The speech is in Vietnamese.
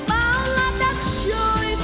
bao lá đất trời